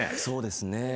そうですね。